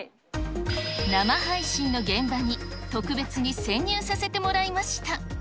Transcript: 生配信の現場に特別に潜入させてもらいました。